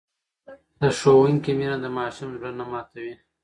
د ښوونکي مینه د ماشوم زړه نه ماتوي.